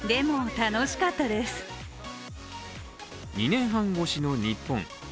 ２年半越しの日本。